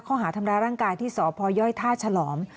ข้อหาทำรายร่างกายที่สอบพ่อยย้อยท่าฉลอม